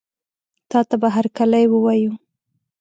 تاته به هرکلی ووایو.